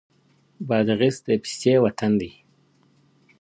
بادغيس د پيستې وطن دی.